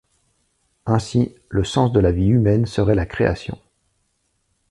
Ainsi, le sens de la vie humaine serait la création.